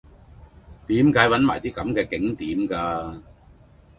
點解搵埋啲咁既景點嫁